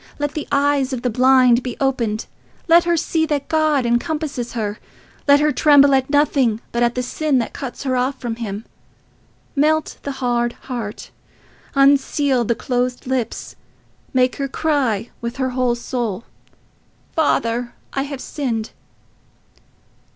Let the eyes of the blind be opened. Let her see that God encompasses her. Let her tremble at nothing but at the sin that cuts her off from him. Melt the hard heart. Unseal the closed lips: make her cry with her whole soul, 'Father, I have sinned.